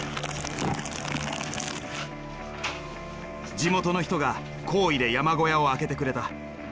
地元の人が厚意で山小屋を開けてくれた。